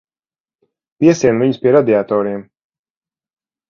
Piesien viņus pie radiatoriem.